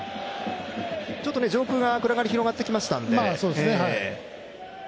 ちょっと上空が、暗がりが広がってきましたので。